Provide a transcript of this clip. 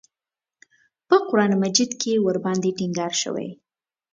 په قران مجید کې ورباندې ټینګار شوی.